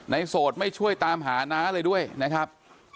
โสดไม่ช่วยตามหาน้าเลยด้วยนะครับ